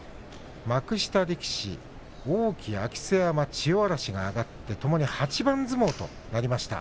幕下力士、王輝明瀬山、千代嵐が上がってともに８番相撲となりました。